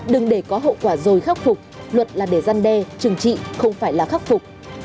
đừng để có hậu quả rồi khắc phục luật là để gian đe trừng trị không phải là khắc phục